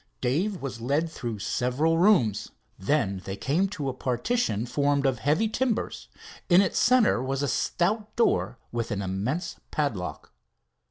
Dave was led through several rooms. Then they came to a partition formed of heavy timbers. In its center was a stout door with an immense padlock.